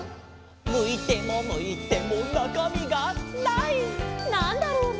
「むいてもむいてもなかみがない」なんだろうね？